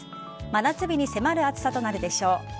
真夏日に迫る暑さとなるでしょう。